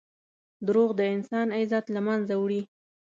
دروغ د انسان عزت له منځه وړي.